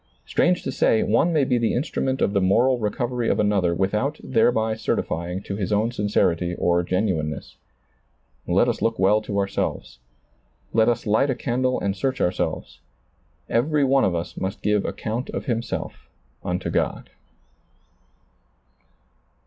Strange to say, one may be the instrument of the moral recovery of another without thereby certifying to his own sincerity or genuineness. Let us look well to ourselves. Let us light a candle and search ourselves. Every one of us must give account of himself unto God.